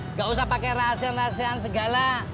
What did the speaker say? nggak usah pakai rahasia rahasia segala